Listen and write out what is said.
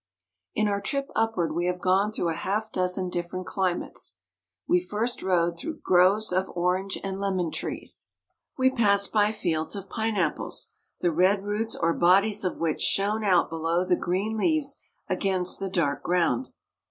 In our trip upward we have gone through a half dozen different climates. We first rode through groves of orange and lemon trees. We passed by fields of pineapples, the red roots or bodies of which shone out below the green leaves against the dark ground.